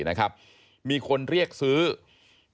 ถ้าเขาถูกจับคุณอย่าลืม